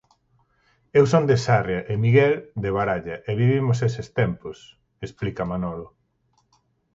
Eu son de Sarria e Miguel, de Baralla e vivimos eses tempos, explica Manolo.